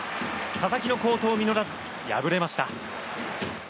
佐々木の好投実らず敗れました。